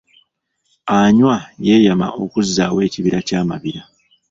Anywar yeeyama okuzzaawo ekibira kya Mabira.